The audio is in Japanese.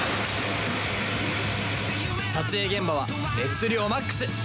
撮影現場は熱量マックス！